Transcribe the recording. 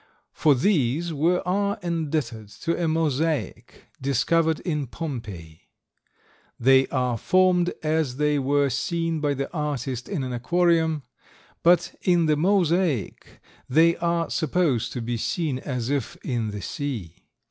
For these we are indebted to a mosaic discovered in Pompeii. They are formed as they were seen by the artist in an aquarium, but in the mosaic they are supposed to be seen as if in the sea.